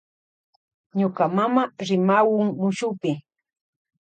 Ñuka mama rimawun muskupi.